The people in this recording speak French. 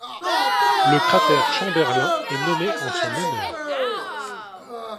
Le cratère Chamberlin est nommé en son honneur.